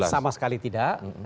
sama sekali tidak